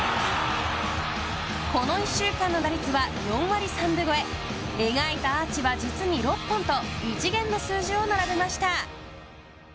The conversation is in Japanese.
この１週間の打率は４割３分超え描いたアーチは実に６本と異次元の数字を並べました。